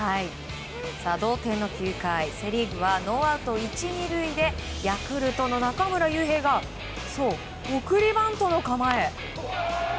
同点の９回セ・リーグはノーアウト１、２塁でヤクルトの中村悠平がそう、送りバントの構え。